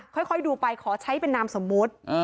ค่อยดูไปขอใช้เป็นนามสมมุติ